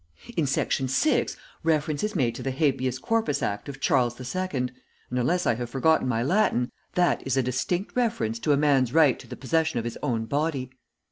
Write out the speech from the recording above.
"In section six reference is made to the habeas corpus act of Charles the Second, and unless I have forgotten my Latin, that is a distinct reference to a man's right to the possession of his own body.